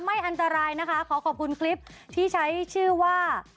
อันตรายนะคะขอขอบคุณคลิปที่ใช้ชื่อว่า